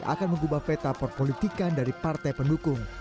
akan mengubah peta perpolitikan dari partai pendukung